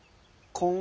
こん！